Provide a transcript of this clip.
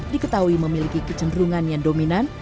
diketahui memiliki kecenderungan yang dominan